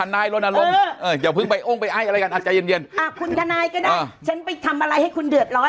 ทนายก็จะเป็นไปโบ๊ทไปอะไรกลับใจเย็นทนายก็ได้ฉันไปทำอะไรให้คุณเดือดล้อ